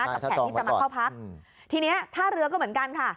แขกที่จะมาเข้าพักทีนี้ท่าเรือก็เหมือนกันค่ะ